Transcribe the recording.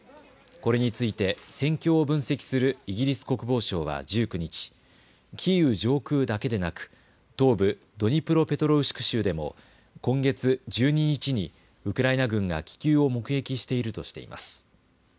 これについて戦況を分析するイギリス国防省は１９日、キーウ上空だけでなく東部ドニプロペトロウシク州でも今月１２日にウクライナ軍が気球を目撃しているとしています。